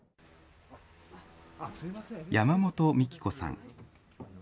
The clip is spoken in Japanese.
山本三起子さん。